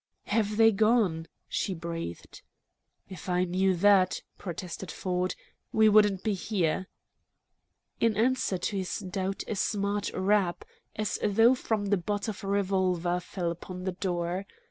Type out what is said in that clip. "Have they gone?" she breathed. "If I knew that," protested Ford, "we wouldn't be here!" In answer to his doubt a smart rap, as though from the butt of a revolver, fell upon the door.